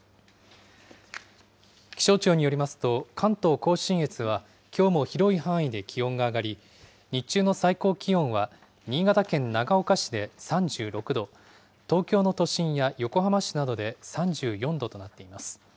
気象庁によりますと、関東甲信越はきょうも広い範囲で気温が上がり、日中の最高気温は新潟県長岡市で３６度、東京の都心や横浜市などで３４度となっています。